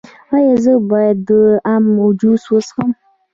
ایا زه باید د ام جوس وڅښم؟